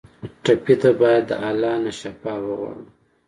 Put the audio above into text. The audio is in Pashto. ټپي ته باید د الله نه شفا وغواړو.